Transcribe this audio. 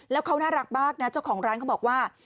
แล้วเขาน่ารักมากนะเจ้าของร้านเขาบอกว่า